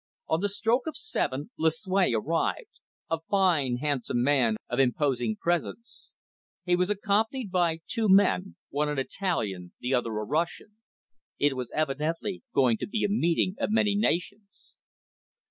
On the stroke of seven Lucue arrived, a fine, handsome man of imposing presence. He was accompanied by two men, one an Italian, the other a Russian. It was evidently going to be a meeting of many nations.